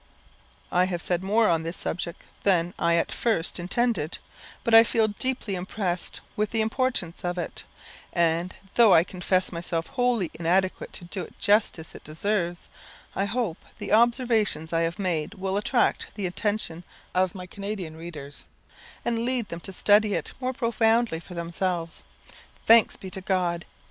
I have said more on this subject than I at first intended, but I feel deeply impressed with the importance of it; and, though I confess myself wholly inadequate to do it the justice it deserves, I hope the observations I have made will attract the attention of my Canadian readers, and lead them to study it more profoundly for themselves. Thanks be to God!